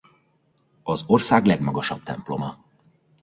Az ország legmagasabb temploma.